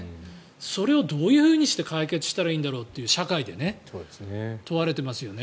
それをどういうふうにして解決したらいいんだろうと社会で問われてますよね。